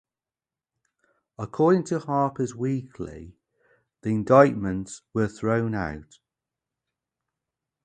According to "Harper's Weekly", the indictments were thrown out.